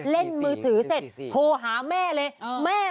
เล่นมือถือเสร็จโทรหาแม่เลย